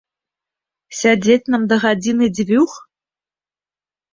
Сядзець нам да гадзіны-дзвюх?